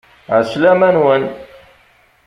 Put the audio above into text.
Ɛeslama-nwen!